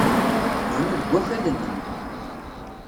Bnu deg wakal-nnem.